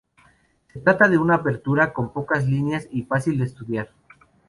Se trata de una apertura con pocas líneas, y fácil de estudiar.